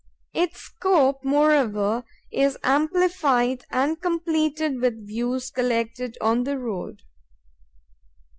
Its scope, moreover, is amplified and completed with views collected on the road.